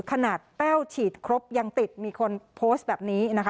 แต้วฉีดครบยังติดมีคนโพสต์แบบนี้นะคะ